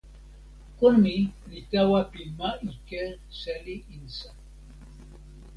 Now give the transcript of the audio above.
kon mi li tawa pi ma ike seli insa.